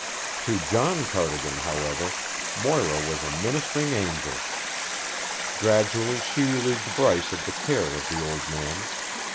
To John Cardigan, however, Moira was a ministering angel. Gradually she relieved Bryce of the care of the old man.